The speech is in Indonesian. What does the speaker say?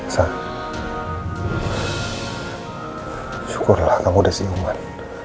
sah syukurlah kamu udah senyuman